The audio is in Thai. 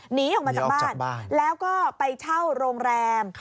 หนีออกมาจากบ้านแล้วก็ไปเช่าโรงแรม